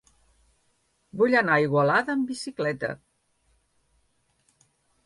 Vull anar a Igualada amb bicicleta.